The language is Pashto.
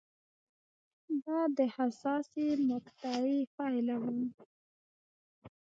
دا د حساسې مقطعې پایله وه